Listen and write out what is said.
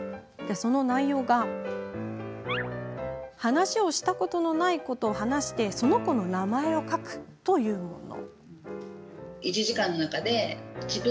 その内容は話したことのない子と話してその子の名前を書くというもの。